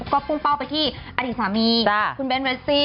ก็พุ่งเป้าไปที่อดีตสามีคุณเบ้นเรสซี่